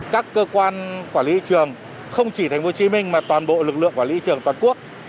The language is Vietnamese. các cơ quan quản lý thị trường không chỉ tp hcm mà toàn bộ lực lượng quản lý trường toàn quốc